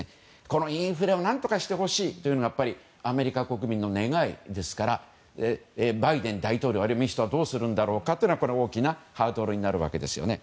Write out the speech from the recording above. このインフレを何とかしてほしいというのがアメリカ国民の願いですからバイデン大統領あるいは民主党はどうするんだろうか大きなハードルになるわけですね。